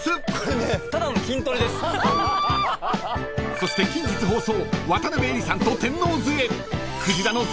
［そして近日放送］